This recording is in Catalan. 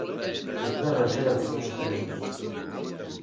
És la regió dels cinc rius.